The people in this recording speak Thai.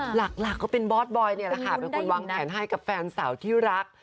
หลักก็เป็นบอสบอยเนี่ยแหละค่ะเป็นคนวางแผนให้กับแฟนสาวที่รัก